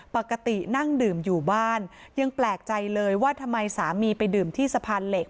ปกตินั่งดื่มอยู่บ้านยังแปลกใจเลยว่าทำไมสามีไปดื่มที่สะพานเหล็ก